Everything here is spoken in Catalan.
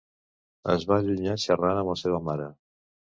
Es va allunyar xerrant amb la seva mare.